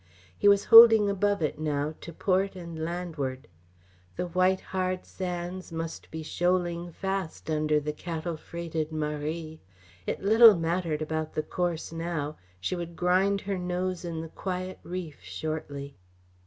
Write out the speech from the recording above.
He was holding above it now, to port and landward. The white, hard sands must be shoaling fast under the cattle freighted Marie. It little mattered about the course now; she would grind her nose in the quiet reef shortly.